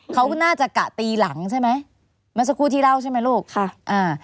เขาน่าจะกะตีหลังใช่ไหมเมื่อสักครู่ที่เล่าใช่ไหมลูกค่ะอ่า